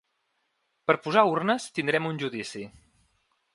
Per posar urnes tindrem un judici.